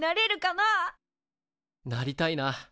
なりたいな。